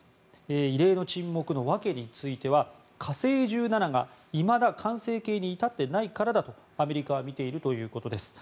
異例の沈黙の訳については火星１７がいまだ完成形に至っていないからだとアメリカは見ているということです。